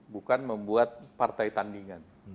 bukan membuat partai tandingan